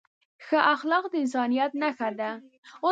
ښه اخلاق د انسانیت نښه ده.